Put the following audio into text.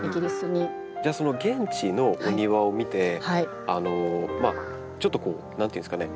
じゃあその現地のお庭を見てちょっと何ていうんですかね